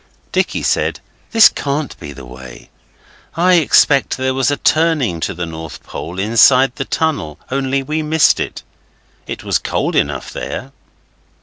Dicky said, 'This can't be the way. I expect there was a turning to the North Pole inside the tunnel, only we missed it. It was cold enough there.